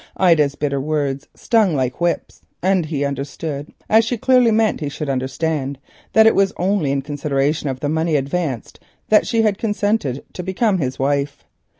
Ida's bitter words stung like whips, and he understood, and she clearly meant he should understand, that it was only in consideration of the money advanced that she had consented to become his wife.